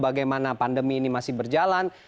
bagaimana pandemi ini masih berjalan